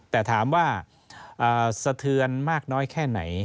แต่ถามว่าสะเทือนมากน้อยแค่ไหน